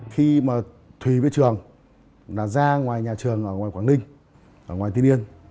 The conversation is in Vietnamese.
khi mà thùy với trường đã ra ngoài nhà trường ngoài quảng ninh ở ngoài tuyên yên